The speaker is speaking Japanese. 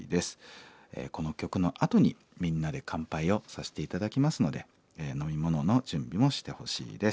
この曲のあとにみんなで乾杯をさせて頂きますので飲み物の準備もしてほしいです。